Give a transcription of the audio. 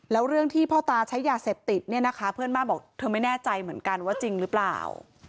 แล้วเรื่องที่พ่อตาใช้ยาเสพติดเนี่ยนะคะเพื่อนบ้านบอกเธอไม่แน่ใจเหมือนกันว่าจริงหรือเปล่า